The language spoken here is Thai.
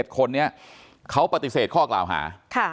๗คนนี้เขาปฏิเสธข้อกล่าวหา